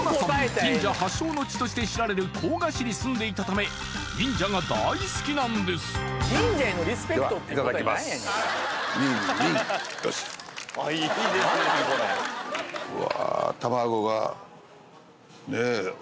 忍者発祥の地として知られる甲賀市に住んでいたため忍者が大好きなんですよしうわ